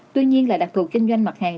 tuy nhiên là đặc thù kinh doanh mặt hàng